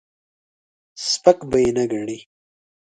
سپک به یې نه ګڼې.